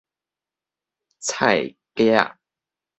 菜格仔